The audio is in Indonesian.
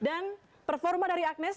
dan performa dari agnes